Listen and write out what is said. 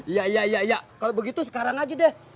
iya iya ya kalau begitu sekarang aja deh